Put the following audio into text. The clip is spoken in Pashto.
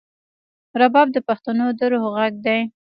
رباب د پښتنو د روح غږ دی.